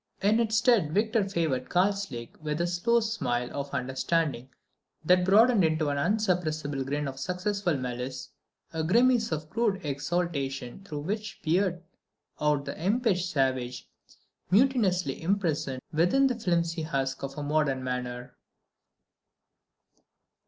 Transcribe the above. In its stead Victor favoured Karslake with a slow smile of understanding that broadened into an insuppressible grin of successful malice, a grimace of crude exultation through which peered out the impish savage mutinously imprisoned within a flimsy husk of modern manner.